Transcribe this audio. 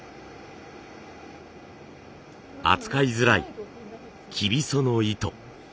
扱いづらい生皮苧の糸。